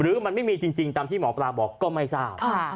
หรือมันไม่มีจริงตามที่หมอปลาบอกก็ไม่ทราบ